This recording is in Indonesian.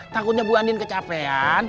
takutnya bu andien kecapean